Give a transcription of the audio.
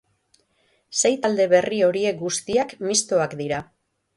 Sei talde berri horiek guztiak mistoak dira.